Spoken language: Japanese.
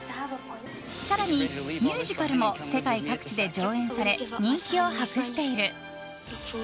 更に、ミュージカルも世界各地で上演され人気を博している。